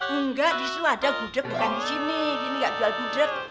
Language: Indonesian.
enggak di situ ada buduk bukan di sini ini nggak jual buduk